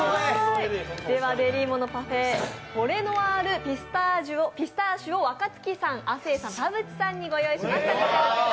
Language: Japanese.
デリーモのパフェフォレノワールピスターシュを若槻さん、亜生さん、田渕さんにご用意しました。